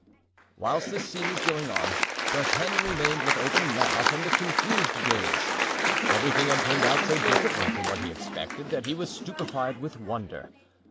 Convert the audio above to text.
Whilst this scene was going on, D'Artagnan remained with open mouth and a confused gaze. Everything had turned out so differently from what he expected that he was stupefied with wonder.